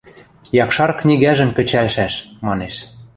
Якшар книгӓжӹм кӹчӓлшӓш... – манеш.